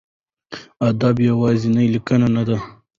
ادب یوازې لیکل نه دي.